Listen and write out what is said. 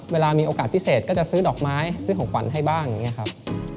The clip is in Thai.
เวลามีโอกาสพิเศษก็จะซื้อดอกไม้ซื้อของขวัญให้บ้างอย่างนี้ครับ